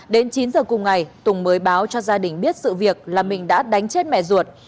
đến chín giờ cùng ngày tùng mới báo cho gia đình biết sự việc là mình đã đánh chết mẹ ruột